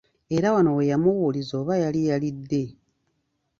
Era wano we yamubuuliza oba yali yalidde.